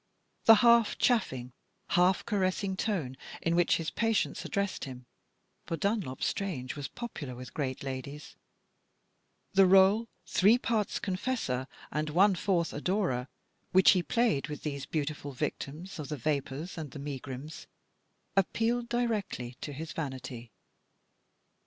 The half chaffing, half caressing tone in which his patients addressed him (for Dunlop Strange was popular with great ladies); the r61e, three parts confessor and one fourth adorer, which he played with these beautiful victims of the vapours and the megrims, appealed directly to his vanity.